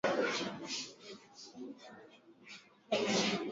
Ni wajumbe wenye siasa za mrengo wa ki Karl Marx